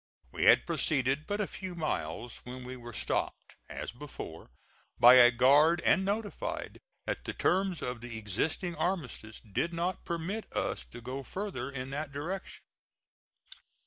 We had proceeded but a few miles when we were stopped, as before, by a guard and notified that the terms of the existing armistice did not permit us to go further in that direction.